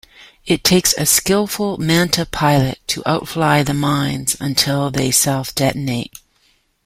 It takes a skillful Manta pilot to outfly the mines until they self-detonate.